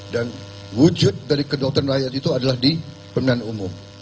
dan wujud dari kedaulatan rakyat itu adalah di pemenang umum